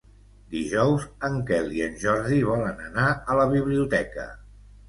Dijous en Quel i en Jordi volen anar a la biblioteca.